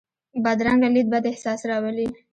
بدرنګه لید بد احساس راولي